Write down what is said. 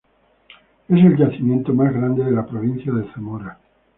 Es el yacimiento más grande de la provincia de Zamora.